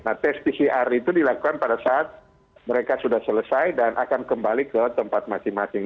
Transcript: nah tes pcr itu dilakukan pada saat mereka sudah selesai dan akan kembali ke tempat masing masing